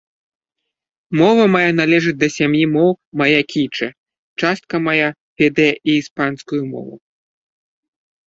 Мова мая належыць да сям'і моў мая-кічэ, частка мая ведае і іспанскую мову.